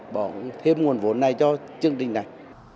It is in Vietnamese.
bỏ thêm nguồn vốn này cho chương trình này